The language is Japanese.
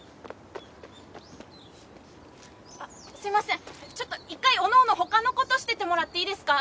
あっすいませんちょっと一回おのおの他のことしててもらっていいですか？